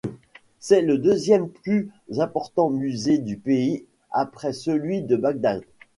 C'est le deuxième plus important musée du pays après celui de Bagdad.